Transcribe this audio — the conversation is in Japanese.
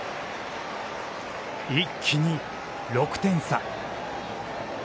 一気に６点差。